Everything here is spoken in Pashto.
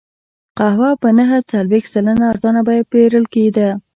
قهوه په نهه څلوېښت سلنه ارزانه بیه پېرل کېده.